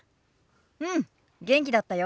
うん元気だったよ。